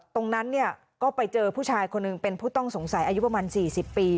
ตรงนั้นเนี่ยก็ไปเจอผู้ชายคนหนึ่งเป็นผู้ต้องสงสัยอายุประมาณ๔๐ปี